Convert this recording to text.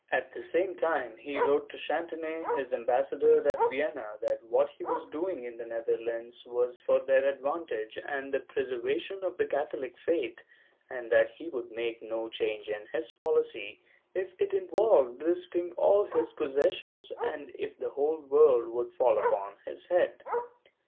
At the same time he wrote to Chantonnay, his ambassador at Vienna, that what he was doing in the Netherlands was for their advantage and the preservation of the Catholic faith, and that he would make no change in his policy, if it involved risking all his possessions and if the whole world should fall upon his head.